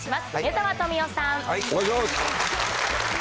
梅沢富美男さん。